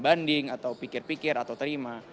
banding atau pikir pikir atau terima